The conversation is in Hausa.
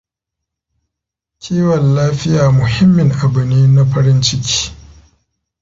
Kiwon lafiya muhimmin abu ne na farin ciki.